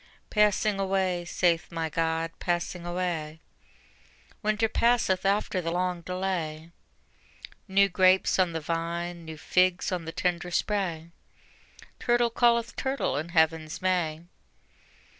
Passing away, saith my God, passing away: Winter passeth after the long delay: New grapes on the vine, new figs on the tender spray, Turtle calleth turtle in Heaven's May.